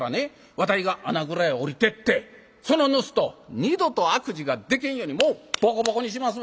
わたいが穴蔵へ下りてってその盗人を二度と悪事がでけんようにもうボコボコにしますわ。